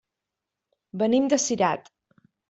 Venim de Cirat.